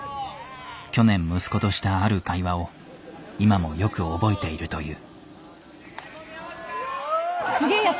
去年息子としたある会話を今もよく覚えているという。